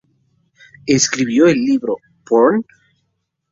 Escribió el libro "Porn?